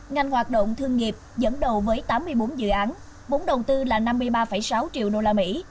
ngành hoạt động thương nghiệp dẫn đầu với tám mươi bốn dự án vốn đầu tư là năm mươi ba sáu triệu đô la mỹ